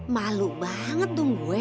malu banget dong gue